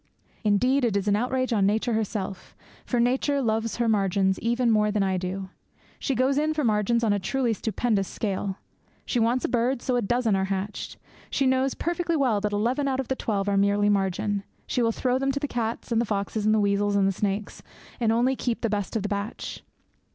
Indeed, it is an outrage upon Nature herself, for Nature loves her margins even more than I do. She goes in for margins on a truly stupendous scale. She wants a bird, so a dozen are hatched. She knows perfectly well that eleven out of the twelve are merely margin. She will throw them to the cats, and the foxes, and the weasels, and the snakes, and only keep the best of the batch.